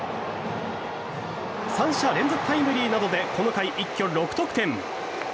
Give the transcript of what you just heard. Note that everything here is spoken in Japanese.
３連続タイムリーなどでこの回、一挙６得点。